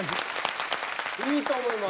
いいと思います。